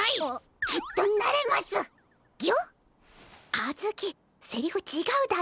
あずきセリフちがうだろ。